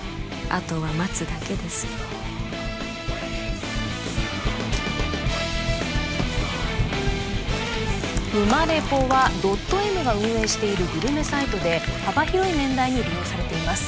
あとは待つだけです・ウマレポはドットＭが運営しているグルメサイトで幅広い年代に利用されています・